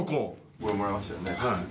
これもらいましたよね？